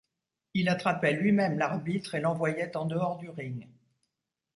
Il attrapait lui-même l'arbitre, et l'envoyait en dehors du ring.